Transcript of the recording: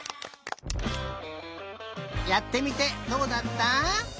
やってみてどうだった？